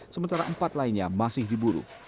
sementara empat lainnya masih diburu